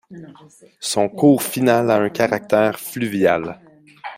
Son cours final a un caractère fluvial.